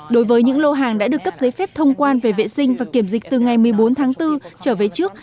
đối với những lô hàng đã được cấp giấy phép thông quan về vệ sinh và kiểm dịch từ ngày một mươi bốn tháng bốn trở về trước